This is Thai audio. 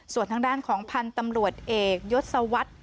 ส่วนทางด้านของพันธุ์ตำรวจเอกยศวรรษ